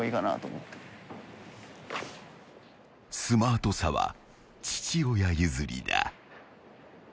［スマートさは父親譲りだ］